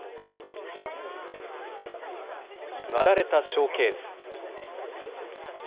割られたショーケース。